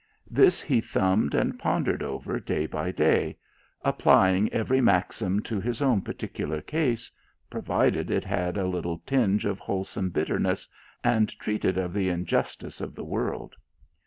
This he thumbed and pondered over day by day ; apply ing every maxim to his own particular case, provided it had a little tinge of wholesome bitterness, and treated of the injustice of the world.